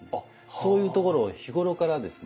そういうところを日頃からですね